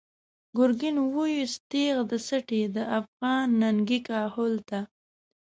“گرگین” ویوست تیغ د سټی، د افغان ننگی کهول ته